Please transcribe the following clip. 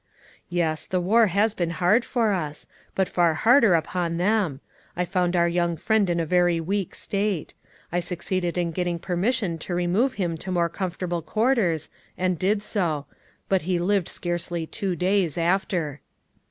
"Yes; the war has been hard for us, but far harder upon them. I found our young friend in a very weak state. I succeeded in getting permission to remove him to more comfortable quarters, and did so; but he lived scarcely two days after."